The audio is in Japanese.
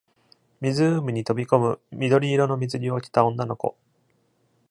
湖に飛び込む緑色の水着を着た女の子。